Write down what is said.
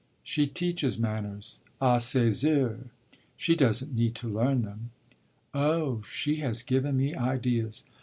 "She teaches manners, à ses heures: she doesn't need to learn them." "Oh she has given me ideas!